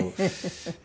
フフフフ。